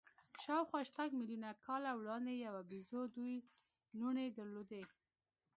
شاوخوا شپږ میلیونه کاله وړاندې یوې بیزو دوې لوڼې درلودې.